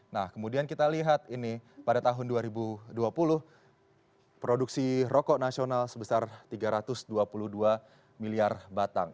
nah kemudian kita lihat ini pada tahun dua ribu dua puluh produksi rokok nasional sebesar tiga ratus dua puluh dua miliar batang